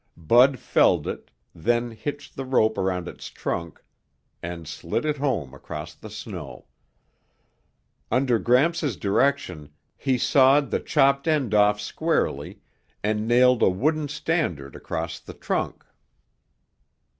Bud felled it, then hitched the rope around its trunk and slid it home across the snow. Under Gramps' direction he sawed the chopped end off squarely and nailed a wooden standard across the trunk.